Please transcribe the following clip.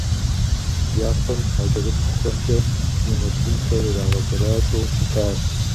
Япэм алэрыбгъухэмкӏэ унэ блынхэр ирагъэщӏэращӏэу щытащ.